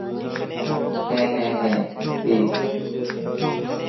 হ্যাঁ, হ্যাঁ, হ্যাঁ, প্লীজ।